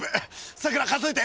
さくら数えて。